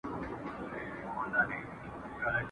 هغې زه پدې امر کړم چي تا پر دغه ډالۍ شاهد کړم.